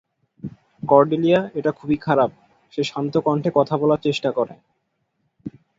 Cordelia, এটা খুবই খারাপ, সে শান্ত কণ্ঠে কথা বলার চেষ্টা করে।